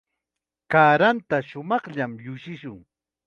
Kaaranta shumaqllam llushikun.